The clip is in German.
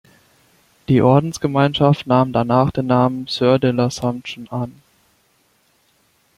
Die Ordensgemeinschaft nahm danach den Namen Sœurs de l'Assomption an.